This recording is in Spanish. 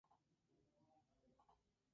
Murió en Beverly Hills, California.